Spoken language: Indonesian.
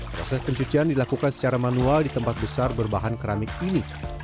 proses pencucian dilakukan secara manual di tempat besar berbahan keramik ini